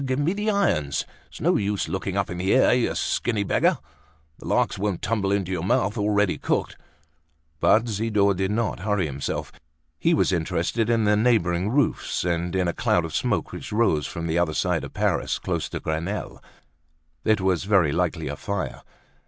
Give me the irons! It's no use looking up in the air, you skinny beggar! The larks won't tumble into your mouth already cooked!" But Zidore did not hurry himself. He was interested in the neighboring roofs, and in a cloud of smoke which rose from the other side of Paris, close to Grenelle; it was very likely a fire.